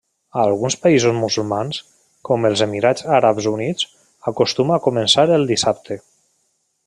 A alguns països musulmans, com els Emirats Àrabs Units, acostuma a començar el dissabte.